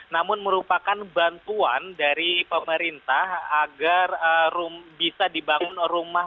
namun merupakan bantuan dari pemerintah agar bisa dibangun rumah